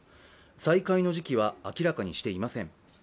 再開の時期は明らかにしていません。